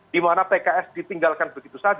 dimana pks ditinggalkan begitu saja